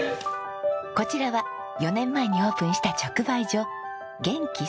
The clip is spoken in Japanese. こちらは４年前にオープンした直売所元気すもん。